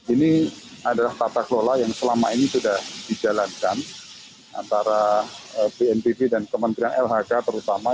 ini adalah tata kelola yang selama ini sudah dijalankan antara bnpb dan kementerian lhk terutama